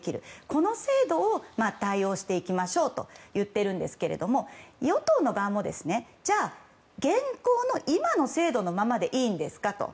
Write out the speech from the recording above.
この制度を対応していきましょうと言っているんですけど与党の側も、今の制度のままでいいんですかと。